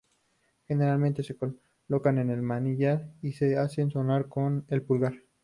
Generalmente se colocan en el manillar y se hacen sonar con el pulgar.